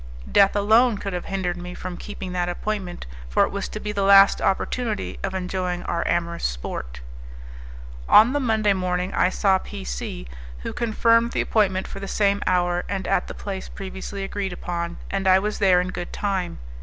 Death alone could have hindered me from keeping that appointment, for it was to be the last opportunity of enjoying our amorous sport. On the Monday morning I saw P C , who confirmed the appointment for the same hour, and at the place previously agreed upon, and I was there in good time.